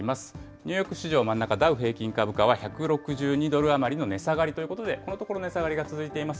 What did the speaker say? ニューヨーク市場、真ん中、ダウ平均株価は１６２ドル余りの値下がりということで、このところ、値下がりが続いています。